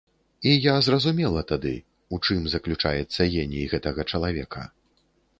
І я зразумела тады, у чым заключаецца геній гэтага чалавека.